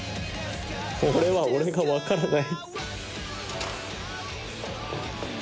俺は俺が分からない。